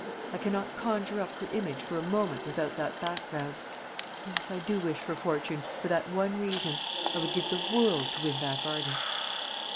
I cannot conjure up her image for a moment without that background. Yes, I do wish for fortune, for that one reason. I would give the world to win back Arden."